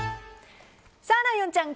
ライオンちゃん